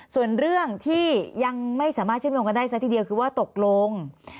ส่วนเรื่องที่ยังไม่สามารถเชื่อมโยงกันได้ซะทีเดียวคือว่าตกลง